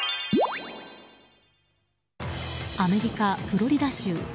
アメリカ・フロリダ州。